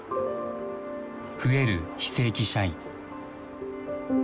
増える非正規社員。